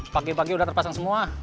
pagi pagi sudah terpasang semua